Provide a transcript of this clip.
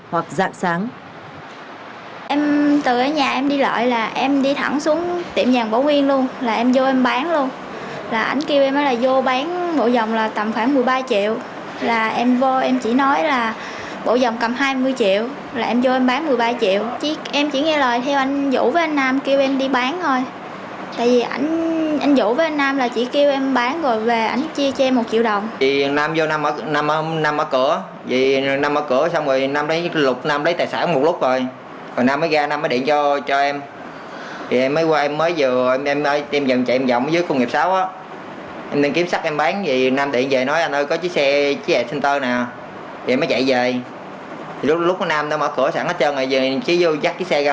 hoặc dạng sáng